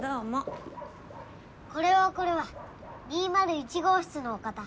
これはこれは２０１号室のお方。